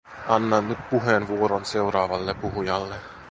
Annan nyt puheenvuoron seuraavalle puhujalle.